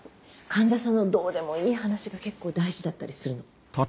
患者さんのどうでもいい話が結構大事だったりするの。